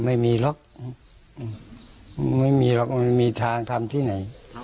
ไม่มีหรอกไม่มีหรอกไม่มีทางทำที่ไหน